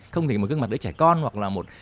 không thể một cái gương mặt để trẻ con hoặc là một